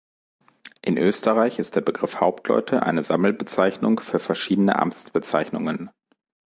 In Österreich ist der Begriff Hauptleute eine Sammelbezeichnung für verschiedene Amtsbezeichnungen.